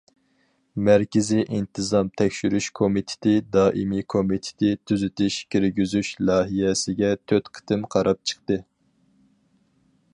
مەركىزىي ئىنتىزام تەكشۈرۈش كومىتېتى دائىمىي كومىتېتى تۈزىتىش كىرگۈزۈش لايىھەسىگە تۆت قېتىم قاراپ چىقتى.